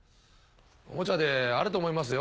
おもちゃであると思いますよ